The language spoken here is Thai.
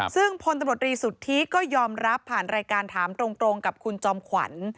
ซึ่งพลตำรวจรีสุทธิก็ยอมรับผ่านรายการถามตรงกับคุณจอมขวัญ